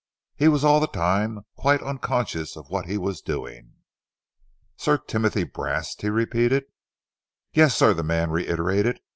He was all the time quite unconscious of what he was doing. "Sir Timothy Brast?" he repeated. "Yes, sir," the man reiterated.